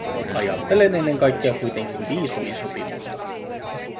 Ajattelen ennen kaikkea kuitenkin viisumisopimusta.